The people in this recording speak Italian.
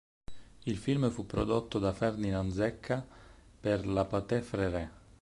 Il film fu prodotto da Ferdinand Zecca per la Pathé Frères.